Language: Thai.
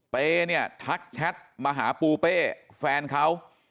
เป้เนี่ยทักแชทมาหาปูเป้แฟนเขา